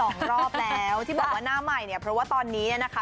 สองรอบแล้วที่บอกว่าหน้าใหม่เนี่ยเพราะว่าตอนนี้เนี่ยนะคะ